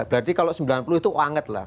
berarti kalau sembilan puluh itu wanget lah